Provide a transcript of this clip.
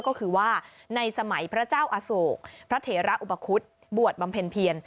ก็คือว่าในสมัยพระเจ้าอโศกพระเถระอุปคุฎบวชบำเพ็ญเพียร